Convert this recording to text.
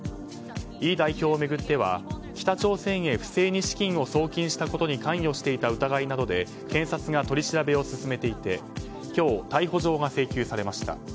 イ代表を巡っては北朝鮮へ不正に資金を送金したことに関与していた疑いなどで検察が取り調べを進めていて今日、逮捕状が請求されました。